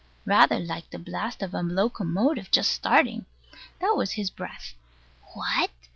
Rather like the blast of a locomotive just starting. That was his breath. What?